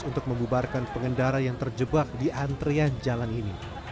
untuk membubarkan pengendara yang terjebak di antrean jalan ini